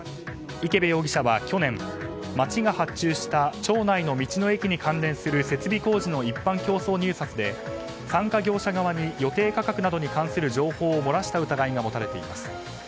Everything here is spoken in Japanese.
池部容疑者は去年町が発注した町内の道の駅の設備工事の一般競争入札で参加業者側に予定価格などに関する情報を漏らした疑いが持たれています。